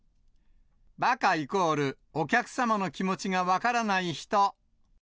ばかイコールお客様の気持ちが分からない人。